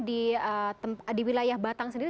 di wilayah batang sendiri